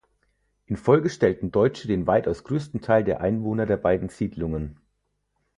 In Folge stellten Deutsche den weitaus größten Teil der Einwohner der beiden Siedlungen.